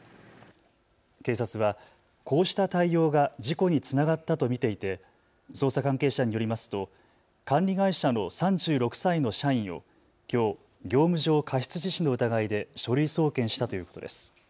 警察はこうした対応が事故につながったと見ていて捜査関係者によりますと管理会社の３６歳の社員をきょう業務上過失致死の疑いで書類送検したということです。